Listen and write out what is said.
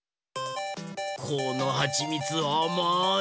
このはちみつあまい！